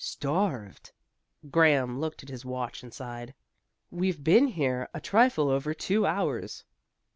"Starved," Graham looked at his watch and sighed. "We've been here a trifle over two hours."